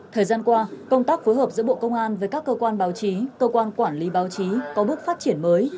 thời gian qua công tác phối hợp giữa bộ công an với các cơ quan báo chí cơ quan quản lý báo chí có bước phát triển mới